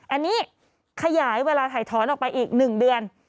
อันนี้ขยายเวลาถ่ายถอนออกไปอีก๑เดือน